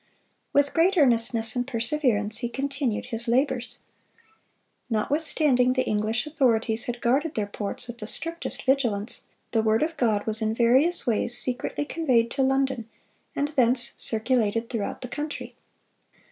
With great earnestness and perseverance he continued his labors. Notwithstanding the English authorities had guarded their ports with the strictest vigilance, the word of God was in various ways secretly conveyed to London, and thence circulated throughout the country.